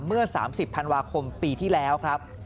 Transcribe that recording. เมื่อ๓๐ธันวาคมปีที่แล้วครับ